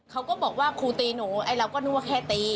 เขาก็บอกว่าครูตีหนูไอ้เราก็นึกว่าแค่ตี